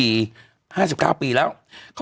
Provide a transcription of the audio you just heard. ประชาภาพภาพเผิน